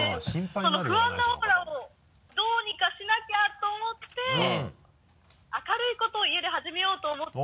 その不安なオーラをどうにかしなきゃと思って明るいことを家で始めようと思って。